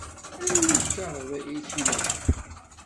Anwa lkaɣeḍ i k-ilaqen?